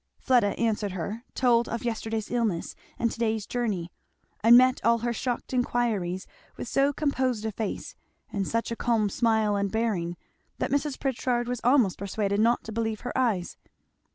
Fleda answered her, told of yesterday's illness and to day's journey; and met all her shocked enquiries with so composed a face and such a calm smile and bearing, that Mrs. Pritchard was almost persuaded not to believe her eyes.